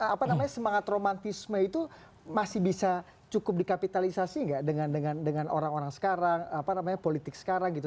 apa namanya semangat romantisme itu masih bisa cukup dikapitalisasi nggak dengan orang orang sekarang apa namanya politik sekarang gitu